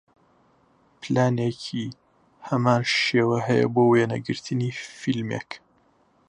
پلانێکی هەمان شێوە هەیە بۆ وێنەگرتنی فیلمێک